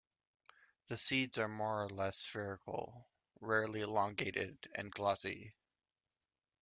The seeds are more or less spherical, rarely elongated and glossy.